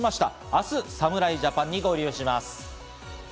明日、侍ジャパンに合流します。